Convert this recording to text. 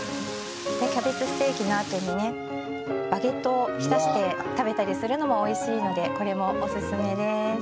キャベツステーキのあとにバゲットを浸して食べたりするのもおいしいのでこれもおすすめです。